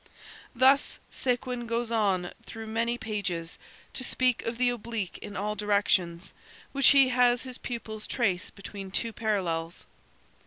Thus Séguin goes on through many pages, to speak of the oblique in all directions, which he has his pupils trace between two parallels.